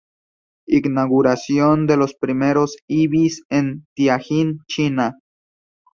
Inauguración de los primeros ibis en Tianjin, China.